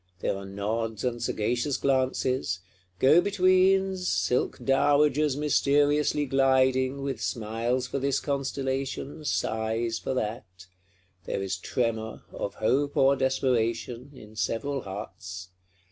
There are nods and sagacious glances; go betweens, silk dowagers mysteriously gliding, with smiles for this constellation, sighs for that: there is tremor, of hope or desperation, in several hearts.